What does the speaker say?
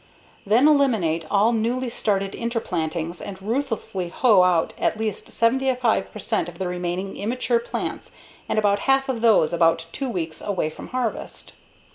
Then eliminate all newly started interplantings and ruthlessly hoe out at least 75 percent of the remaining immature plants and about half of those about two weeks away from harvest.